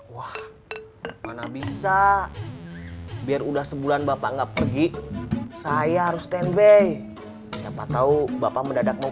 wah mana bisa biar udah sebulan bapak enggak pergi saya harus standby siapa tahu bapak mendadak mau